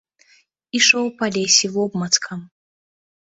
Ішоў па лесе вобмацкам.